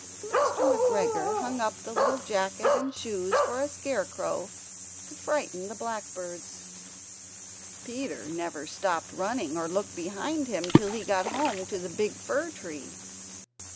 Mr. McGregor hung up the little jacket and the shoes for a scarecrow to frighten the blackbirds. Peter never stopped running or looked behind him till he got home to the big fir tree.